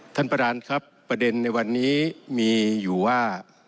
ท่านประธานครับประเด็นในวันนี้มีอยู่ว่า